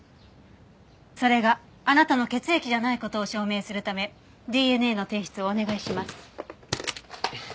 それがあなたの血液じゃない事を証明するためＤＮＡの提出をお願いします。